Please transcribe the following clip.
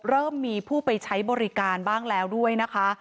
เริ่มมีผู้ไปใช้บริการบ้างแล้วด้วยนะคะ